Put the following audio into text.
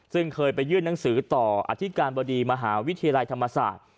ซึ่งเคยไปยื่นหนังสือต่ออธิการบดีมหาวิทยาลัยธรรมศาสตร์